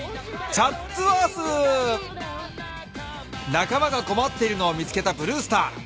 なかまがこまっているのを見つけたブルースター。